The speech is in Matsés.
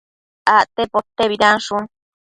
acte potebidanshun